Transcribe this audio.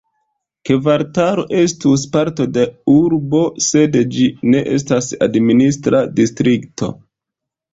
Kvartalo estus parto de urbo, sed ĝi ne estas administra distrikto.